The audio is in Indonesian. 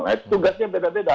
nah itu tugasnya beda beda